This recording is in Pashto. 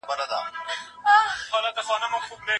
ټولي اورېدلي خبري باید په دقت سره وڅېړل سي.